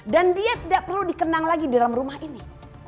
dan dia tidak perlu dikenang lagi di dalam rumah ini